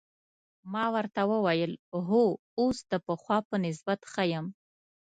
ما ورته وویل: هو، اوس د پخوا په نسبت ښه یم.